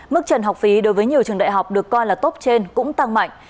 mức trần học phí đối với nhiều trường đại học được coi là tốt trên cũng tăng mạnh